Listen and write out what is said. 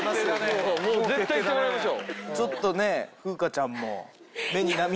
ちょっとね風花ちゃんも。